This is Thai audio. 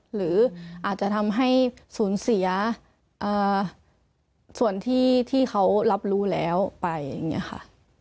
หรืออาจจะทำให้สูญเสียส่วนที่เขารับรู้แล้วไปอย่างนี้ค่ะ